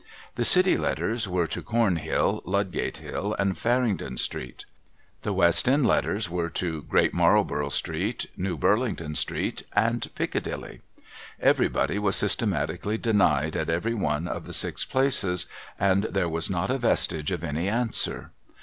The City letters were to Cornhill, Ludgate hill, and Farringdon street. The \\'est End letters were to Great Marlborough street, New Burlington street, and Piccadilly. Everybody was systemati cally denied at every one of the six places, and there was not a vestige of any answer.